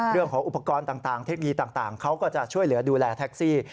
เรื่องของอุปกรณ์ต่างเทคโนโลยีต่างเขาก็จะช่วยเหลือดูแลแท็กซี่